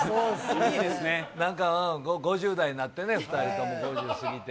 いいですね、なんか５０代になってね、２人とも５０過ぎて。